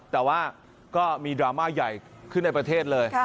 แต่ว่าก็มีดราม่าใหญ่ขึ้นในประเทศเลย